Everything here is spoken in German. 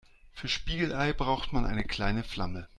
Für Spiegelei braucht man eine kleine Flamme.